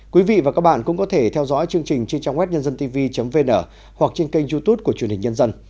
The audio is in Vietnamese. quý vị và các bạn cũng có thể theo dõi chương trình trên trang web nhân dân tivi vn hoặc trên kênh youtube của truyền hình nhân dân